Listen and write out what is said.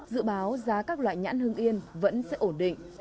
dự báo giá các loại nhãn hương yên vẫn sẽ ổn định